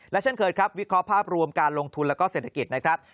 เช่นเคยครับวิเคราะห์ภาพรวมการลงทุนแล้วก็เศรษฐกิจนะครับ